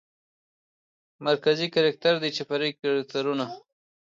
مرکزي کرکتر دى چې فرعي کرکترونه